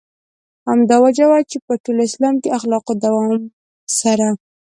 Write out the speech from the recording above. همدا وجه ده چې په ټولنه کې اخلاقو دوام سره.